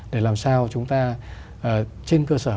để làm sao chúng ta trên cơ sở